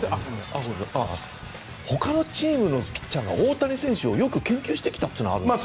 ほかのチームのピッチャーが大谷選手をよく研究してきたのはあるんですか？